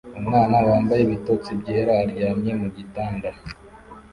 Umwana wambaye ibitotsi byera aryamye mu gitanda